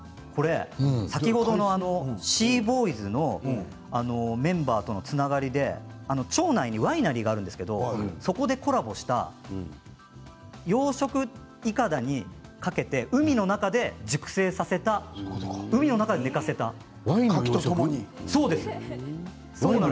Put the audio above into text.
先ほどのシーボーイズのメンバーとのつながりで町内にワイナリーがあるんですけどそことコラボした養殖いかだにかけて海の中で熟成させた海の中で寝かせたかきとともに。